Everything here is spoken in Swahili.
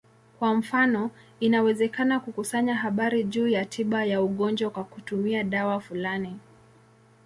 Kwa mfano, inawezekana kukusanya habari juu ya tiba ya ugonjwa kwa kutumia dawa fulani.